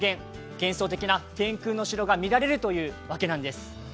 幻想的な天空の城が見られるというわけなんです。